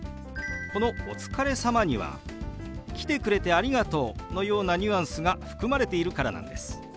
この「お疲れ様」には「来てくれてありがとう」のようなニュアンスが含まれているからなんです。